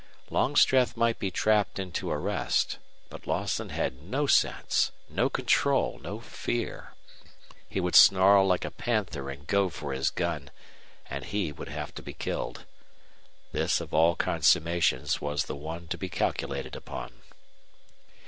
Longstreth might be trapped into arrest; but Lawson had no sense, no control, no fear. He would snarl like a panther and go for his gun, and he would have to be killed. This, of all consummations, was the one to be calculated upon.